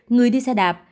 người đi xe đạp